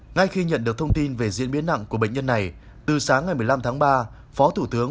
ngay khi nhận được thông tin về diễn biến nặng của bệnh nhân này từ sáng ngày một mươi năm tháng ba phó thủ tướng